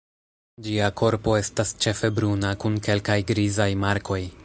Ĝia korpo estas ĉefe bruna kun kelkaj grizaj markoj.